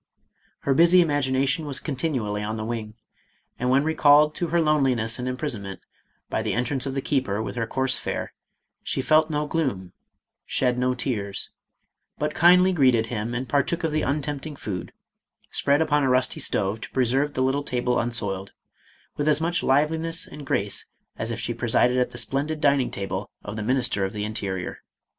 Her busy imagination was continually on the wing, and when recalled to her loneliness and imprisonment, by the entrance of the keeper with her coarse fare, she felt no gloom, shed no tears, but kindly greeted him and partook of the untempting food, spread upon a rusty stove to preserve the little table unsoiled, with as much liveliness and grace as if she presided at the splendid dining table of the Minister of the Interior.